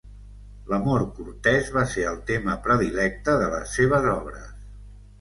L’amor cortès va ser el tema predilecte de les seves obres.